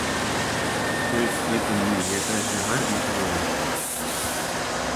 Ой світе мій, яка ж я гарна та велична!